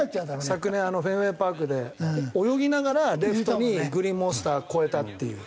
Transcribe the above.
昨年フェンウェイパークで泳ぎながらレフトにグリーンモンスター越えたっていう。